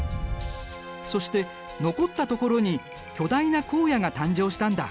そして残った所に巨大な荒野が誕生したんだ。